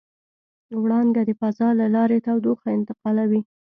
وړانګه د فضا له لارې تودوخه انتقالوي.